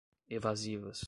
evasivas